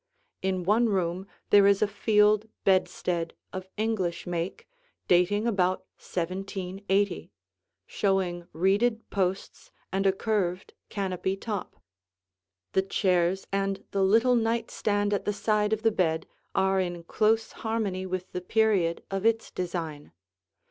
In one room there is a Field bedstead of English make, dating about 1780, showing reeded posts and a curved canopy top. The chairs and the little night stand at the side of the bed are in close harmony with the period of its design.